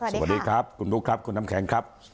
สวัสดีครับคุณบุ๊คครับคุณน้ำแข็งครับ